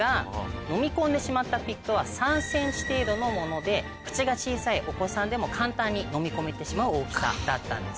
のみ込んでしまったピックは３ｃｍ程度のもので口が小さいお子さんでも簡単にのみ込めてしまう大きさだったんです。